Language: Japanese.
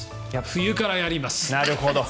冬からやります。